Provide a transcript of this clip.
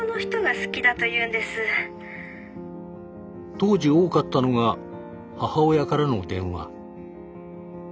当時多かったのが母親からの電話。